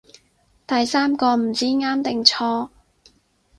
第三個唔知啱定錯